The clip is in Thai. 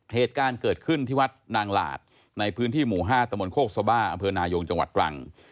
เหตุการณ์เกิดขึ้นที่วัดนางหลาดในพื้นที่หมู่๕ตะมนโคกสบ้าอำเภอนายงจังหวัดตรัง